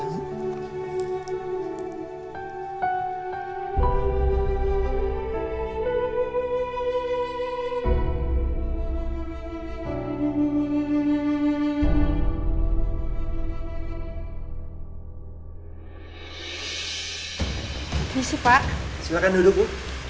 silahkan duduk bu